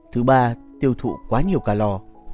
ba tiêu thụ quá nhiều calo